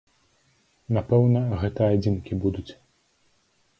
Напэўна, гэта адзінкі будуць.